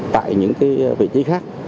tại những vị trí khác